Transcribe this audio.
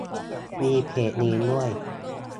มีเพจนี้ด้วย